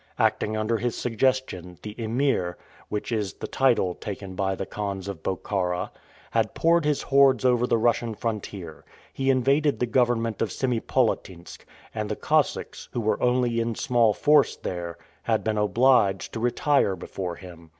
Acting under his suggestion, the Emir which is the title taken by the khans of Bokhara had poured his hordes over the Russian frontier. He invaded the government of Semipolatinsk, and the Cossacks, who were only in small force there, had been obliged to retire before him.